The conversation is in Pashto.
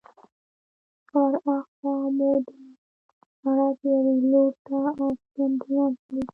لږ ورهاخوا مو د سړک یوې لور ته آسي امبولانس ولید.